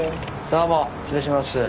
どうも失礼します。